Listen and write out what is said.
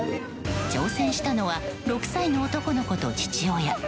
挑戦したのは６歳の男の子と父親。